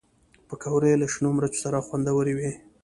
پکورې له شنو مرچو سره خوندورې وي